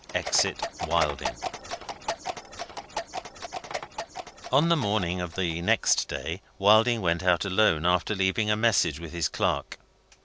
EXIT WILDING On the morning of the next day, Wilding went out alone, after leaving a message with his clerk.